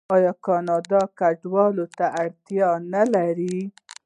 آیا کاناډا کډوالو ته اړتیا نلري؟